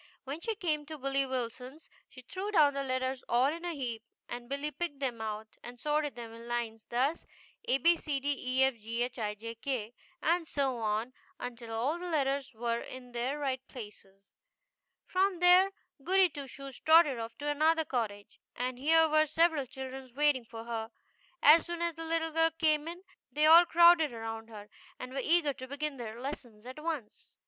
When she came to Billy Wilson's she threw down the letters all in a heap, and Billy picked them out and sorted them in lines, thus : ABCDEFGHIJK, abed efghij k, and so on until all the letters were in their right places. From there Goody Two Shoes trotted off to another cottage, and here were several children waiting for her. As soon as the little girl came in they all crowded around her, and were eager to begin their lessons at once.